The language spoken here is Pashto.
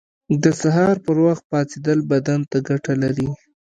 • د سهار پر وخت پاڅېدل بدن ته ګټه لري.